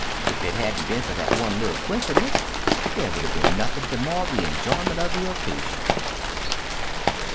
"If it hadn't been for that one little quincidence, there would have been nothing to mar the enjoyment of the occasion."